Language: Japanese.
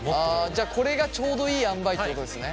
じゃあこれがちょうどいいあんばいってことですね？